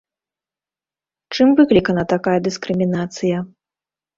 Чым выклікана такая дыскрымінацыя?